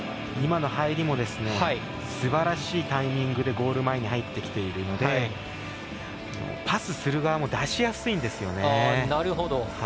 今の入りもすばらしいタイミングでゴール前に入ってきているのでパスする側も出しやすいんですね。